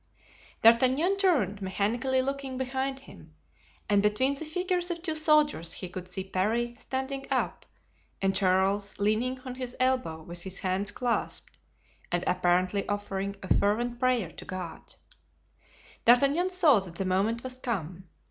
D'Artagnan turned, mechanically looking behind him, and between the figures of two soldiers he could see Parry standing up and Charles leaning on his elbow with his hands clasped and apparently offering a fervent prayer to God. D'Artagnan saw that the moment was come.